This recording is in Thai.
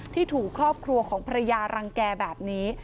ที่ถูกครอบครัวของภรรยารังแก่แบบนี้